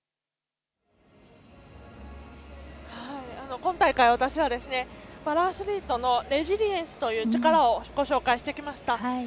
今大会、私はパラアスリートのレジリエンスという力をご紹介してきました。